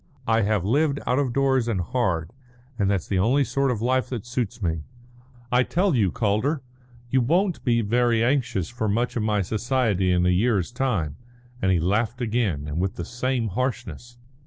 I have lived out of doors and hard, and that's the only sort of life that suits me. I tell you, Calder, you won't be very anxious for much of my society in a year's time," and he laughed again and with the same harshness.